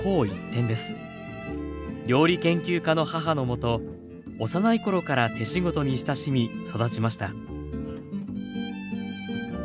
料理研究家の母のもと幼い頃から手仕事に親しみ育ちました。